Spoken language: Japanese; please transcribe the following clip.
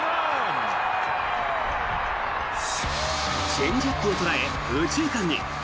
チェンジアップを捉え右中間に。